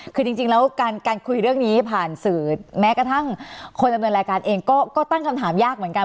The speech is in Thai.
คือจริงแล้วการคุยเรื่องนี้ผ่านสื่อแม้กระทั่งคนดำเนินรายการเองก็ตั้งคำถามยากเหมือนกัน